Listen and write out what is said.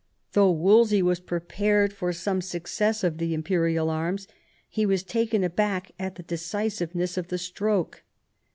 Though Wolsey was prepared for some success of the imperial arms, he was taken aback at the decisive ness of the stroke.